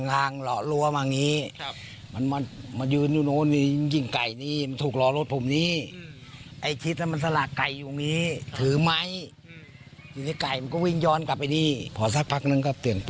ยังว่าประงานจะถูกกระจกแทคารเพราะุ่งกระจกหน้าส่างเนี่ย